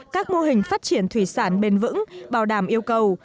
các mô hình phát triển thủy sản bền vững bảo đảm yêu cầu